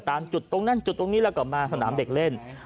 ตามจุดตรงนั้นจุดตรงนี้แล้วก็มาสนามเด็กเล่น